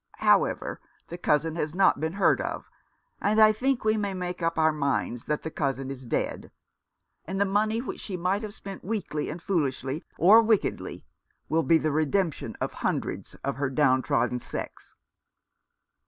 However, the cousin has not been heard of, and I think we may make up our minds that the cousin is dead, and the money which she might have spent weakly and foolishly, or wickedly, will be the 365 Rough Justice. redemption of hundreds of her down trodden sex."